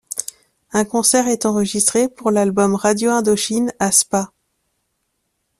Un concert est enregistré pour l'album Radio Indochine à Spa.